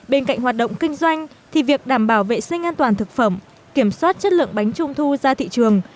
bên cạnh hoạt động kinh doanh thì việc đảm bảo vệ sinh an toàn thực phẩm kiểm soát chất lượng bánh trung thu ra thị trường